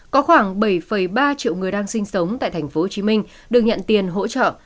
có khoảng bảy ba triệu người đang sinh sống tại tp hcm được nhận tiền hỗ trợ